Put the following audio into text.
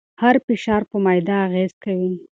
هر فشار پر معده اغېز کوي.